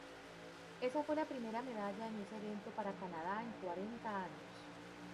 Esa fue la primera medalla en ese evento para Canadá en cuarenta años.